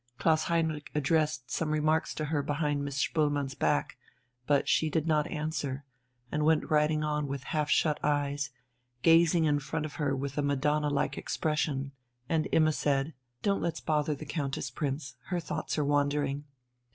Klaus Heinrich addressed some remarks to her behind Miss Spoelmann's back, but she did not answer, and went riding on with half shut eyes, gazing in front of her with a Madonna like expression, and Imma said: "Don't let's bother the Countess, Prince, her thoughts are wandering."